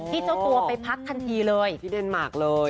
เจ้าตัวไปพักทันทีเลยที่เดนมาร์คเลย